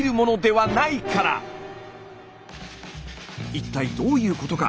一体どういうことか？